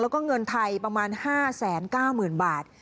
แล้วก็เงินไทยประมาณ๕๙๐๐๐บาท